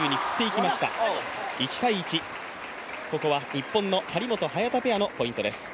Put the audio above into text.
日本の張本・早田ペアの対戦です。